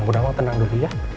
bu nawang tenang dulu ya